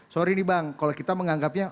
sorry nih bang kalau kita menganggapnya